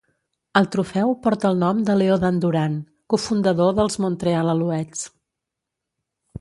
El trofeu porta el nom de Leo Dandurand, cofundador dels Montreal Alouettes.